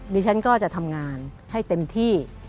ดิฉันก็จะทำงานให้เต็มที่